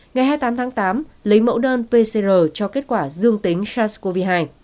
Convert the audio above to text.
ngày hai mươi tám tháng tám lấy mẫu đơn pcr cho kết quả dương tính sars cov hai